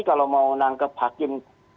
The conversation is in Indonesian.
kalau mau menangkap hakim